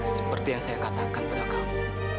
seperti yang saya katakan pada kamu